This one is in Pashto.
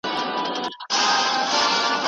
د خوښیو د مستیو ږغ له غرونو را غبرګېږي